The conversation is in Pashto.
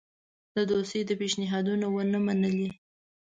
د دوستی پېشنهادونه ونه منلې.